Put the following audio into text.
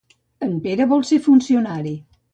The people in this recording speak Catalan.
En Pere vol ser funcionari.